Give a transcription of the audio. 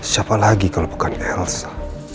siapa lagi kalau bukan elsa